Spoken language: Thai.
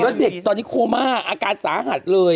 แล้วเด็กตอนนี้โคม่าอาการสาหัสเลย